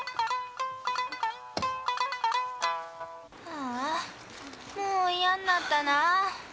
はぁもう嫌になったなあ。